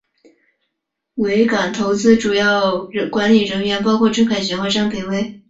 维港投资主要管理人员包括周凯旋和张培薇。